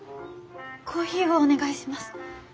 コーヒーをお願いします。